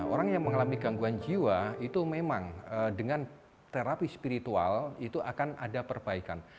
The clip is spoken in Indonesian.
orang yang mengalami gangguan jiwa itu memang dengan terapi spiritual itu akan ada perbaikan